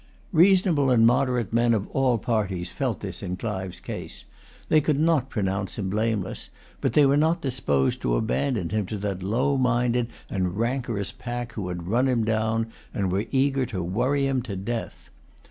Reasonable and moderate men of all parties felt this in Clive's case. They could not pronounce him blameless; but they were not disposed to abandon him to that low minded and rancorous pack who had run him down and were eager to worry him to death.